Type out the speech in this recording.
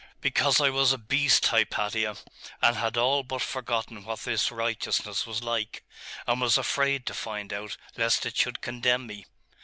'Because I was a beast, Hypatia; and had all but forgotten what this righteousness was like; and was afraid to find out lest it should condemn me.